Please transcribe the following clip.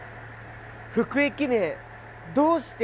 「副駅名どうして！？